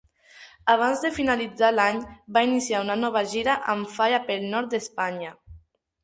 Abans de finalitzar l'any, va iniciar una nova gira amb Falla pel nord d'Espanya.